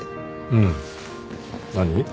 うん。何？